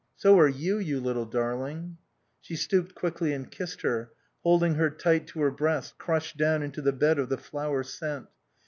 "So are you, you little darling." She stooped quickly and kissed her, holding her tight to her breast, crushed down into the bed of the flower scent.